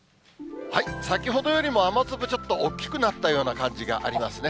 先ほどよりも、雨粒、ちょっと大きくなったような感じがありますね。